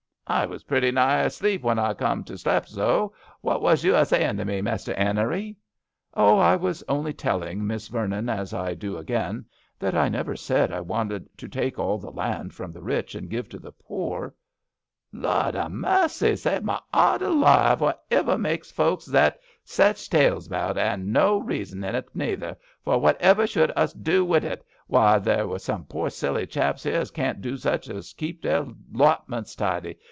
"I was pretty nigh asleep when I come to slep zo. What was you a zayin' to me, Mester 'Enery ?"" Oh ! I was only telling Miss Vernon, as I do again, that I never said I wanted to take all the land from the rich and give to the poor." " Lord a massy ! save my 'eart alive 1 Whativer makes folks zet sech tales about, and no reason in it neither ; for whativer should us do wi' ut ? Why, there's some poor selly chaps 'ere as caen't zo much as keep their 'lotments tidy.